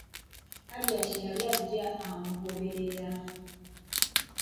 Hajjati yali ajja amugoberera.